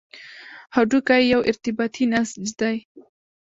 هډوکی یو ارتباطي نسج دی.